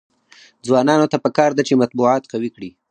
ځوانانو ته پکار ده چې، مطبوعات قوي کړي.